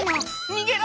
逃げろ！